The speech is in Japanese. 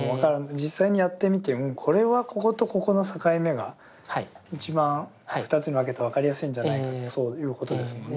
実際にやってみてうんこれはこことここの境目が一番２つに分けたら分かりやすいんじゃないかそういうことですもんね。